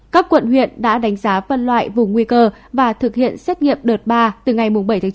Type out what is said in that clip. các quận huyện đã đánh giá phân loại vùng nguy cơ và thực hiện xét nghiệm đợt ba từ ngày bảy tháng chín